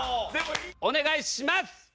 お願いします！